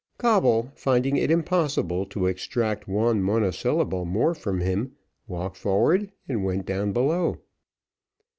Coble, finding it impossible to extract one monosyllable more from him, walked forward, and went down below.